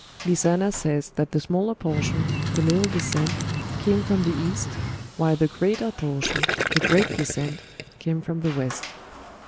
Lizana says that the smaller portion, 'the little descent,' came from the East, while the greater portion, 'the great descent,' came from the West.